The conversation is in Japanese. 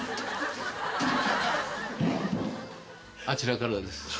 あちらからです。